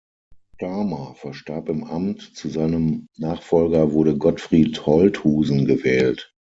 Stahmer verstarb im Amt, zu seinem Nachfolger wurde Gottfried Holthusen gewählt.